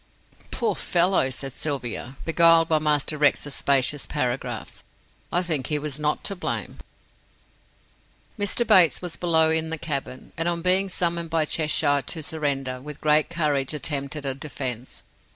"Poor fellow," said Sylvia, beguiled by Master Rex's specious paragraphs, "I think he was not to blame." "Mr. Bates was below in the cabin, and on being summoned by Cheshire to surrender, with great courage attempted a defence.